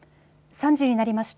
３時になりました。